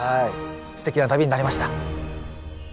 すてきな旅になりました。